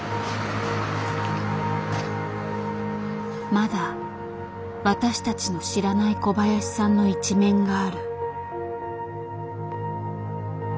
まだ私たちの知らない小林さんの一面がある。